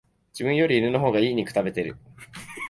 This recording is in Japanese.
自分より犬の方が良い肉食べてる